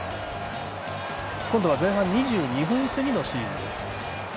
今度は前半２２分過ぎのシーンです。